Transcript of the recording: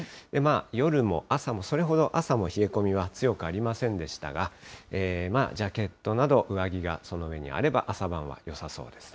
夜も朝もそれほど、朝も冷え込みは強くありませんでしたが、ジャケットなど、上着がその上にあれば、朝晩はよさそうですね。